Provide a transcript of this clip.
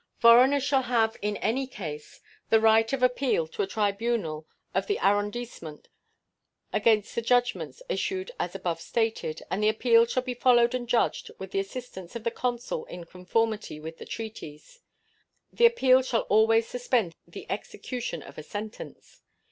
Foreigners shall have in any case the right of appeal to the tribunal of the arrondissement against the judgments issued as above stated, and the appeal shall be followed and judged with the assistance of the consul in conformity with the treaties. The appeal shall always suspend the execution of a sentence.